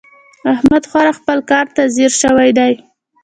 احمد خورا خپل کار ته ځيږ شوی دی.